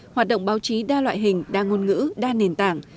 hoạt động báo chí đa loại hình đa ngôn ngữ đa nền tảng